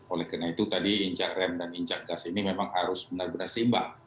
oleh karena itu tadi injak rem dan injak gas ini memang harus benar benar seimbang